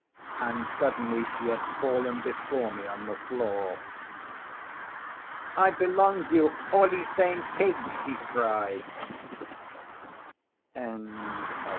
And suddenly she had fallen before me on the floor. "I belong you all e same pig!" she cried. CHAPTER II.